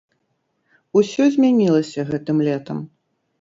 Усё змянілася гэтым летам.